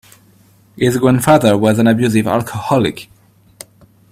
His grandfather was an abusive alcoholic.